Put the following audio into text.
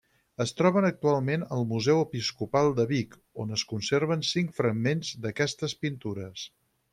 Es troben actualment al Museu Episcopal de Vic, on es conserven cinc fragments d'aquestes pintures.